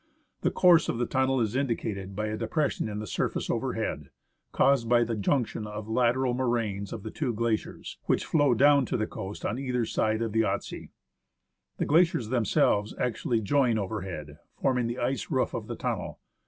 The course of the tunnel is indicated by a depression in the surface overhead, caused by the jimction of the lateral moraines of the two glaciers, which flow down to the coast on either side of the Yahtse. The glaciers themselves actually join overhead, forming the ice roof of the tunnel.